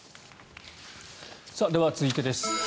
では、続いてです。